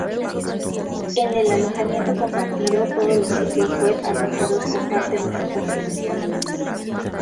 En el alojamiento compartido, todos los sitios web alojados comparten los recursos disponibles.